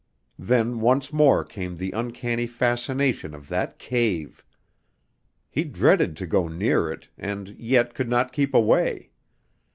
Then once more came the uncanny fascination of that cave! He dreaded to go near it, and yet could not keep away.